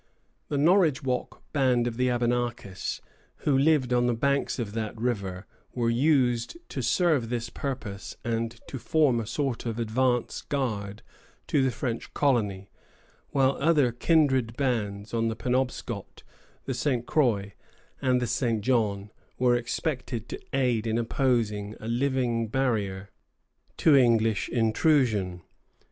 The Norridgewock band of the Abenakis, who lived on the banks of that river, were used to serve this purpose and to form a sort of advance guard to the French colony, while other kindred bands on the Penobscot, the St. Croix, and the St. John were expected to aid in opposing a living barrier to English intrusion.